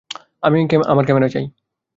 আমি আমার ক্যামেরা চাই।